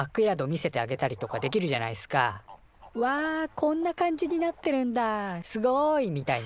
こんな感じになってるんだすごい！」みたいな。